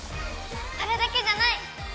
それだけじゃない！